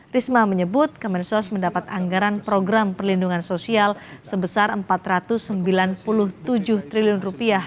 risma menyebut kemensos mendapat anggaran program perlindungan sosial sebesar rp empat ratus sembilan puluh tujuh triliun rupiah